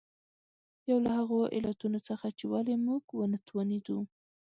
یو له هغو علتونو څخه چې ولې موږ ونه توانېدو.